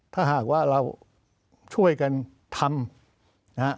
ถ้าหากว่าเราช่วยกันทำนะฮะ